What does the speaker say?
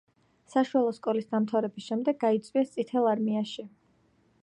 საშუალო სკოლის დამთავრების შემდეგ გაიწვიეს წითელ არმიაში.